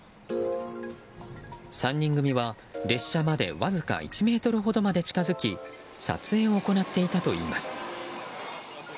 ３人組は列車までわずか１ｍほどまで近づき撮影を行っていたといいます。